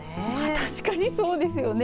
確かにそうですよね。